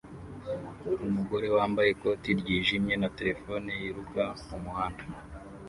Umugore wambaye ikoti ryijimye na terefone yiruka mumuhanda